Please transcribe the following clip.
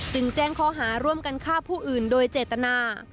แจ้งข้อหาร่วมกันฆ่าผู้อื่นโดยเจตนา